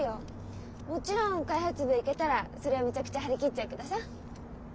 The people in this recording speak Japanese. もちろん開発部へ行けたらそりゃあめちゃくちゃ張り切っちゃうけどさ。